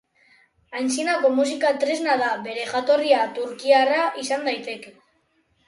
Aintzinako musika tresna da, bere jatorria turkiarra izan daiteke.